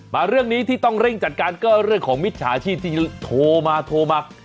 มาเรื่องนี้ที่ต้องเร่งจัดการก็เรื่องของมิจฉาชีพที่โทรมาโทรมา